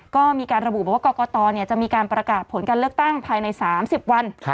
กกตอนี้จะมีการปรากฏผลการเลือกตั้งภายใน๓๐วัน